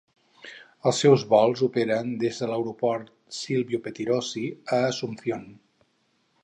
Els seus vols operen des de l'aeroport Silvio Pettirossi a Asunción.